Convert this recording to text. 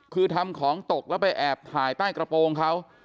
คือทำของตกแล้วไปแอบถ่ายใต้กระโปรงเขา